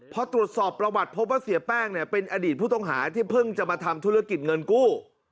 พอตรวจสอบประวัติพบว่าเสียแป้งเนี่ยเป็นอดีตผู้ต้องหาที่เพิ่งจะมาทำธุรกิจเงินกู้